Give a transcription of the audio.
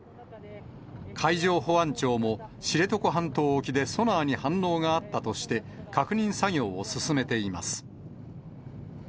海上保安庁も、知床半島沖でソナーに反応があったとして、確認作業を進めています。